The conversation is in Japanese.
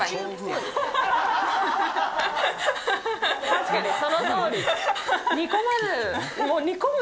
確かに、そのとおり！